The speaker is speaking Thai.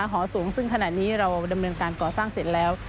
หอสูงซึ่งขณะนี้เราดำเนินการก่อสร้างเสร็จแล้ว